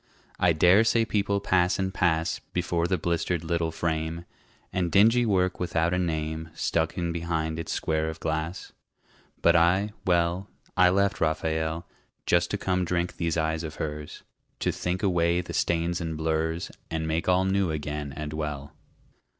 I dare say people pass and pass Before the blistered little frame, And dingy work without a name Stuck in behind its square of glass. But I, well, I left Raphael Just to come drink these eyes of hers, To think away the stains and blurs And make all new again and well.